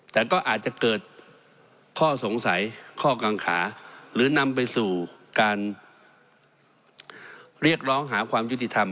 แต่ก็อาจจะเกิดข้อสงสัยข้อกางขาหรือนำไปสู่การ